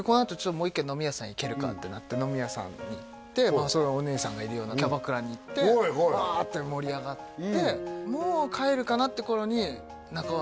「もう一軒飲み屋さん行けるか？」ってなって飲み屋さんに行ってまあそれお姉さんがいるようなキャバクラに行ってわあ！って盛り上がってもう帰るかなって頃に中尾